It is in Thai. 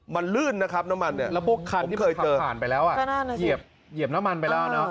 มันลื่นนะครับน้ำมันเนี่ยแล้วพวกคันที่เคยเจอผ่านไปแล้วเหยียบน้ำมันไปแล้วเนอะ